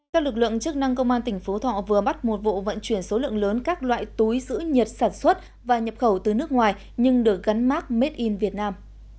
các lực lượng chức năng công an tỉnh phú thọ vừa bắt một vụ vận chuyển số lượng lớn các loại túi giữ nhiệt sản xuất và nhập khẩu từ nước ngoài nhưng được gắn mát made in vietnam